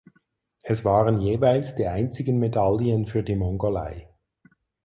Es waren jeweils die einzigen Medaillen für die Mongolei.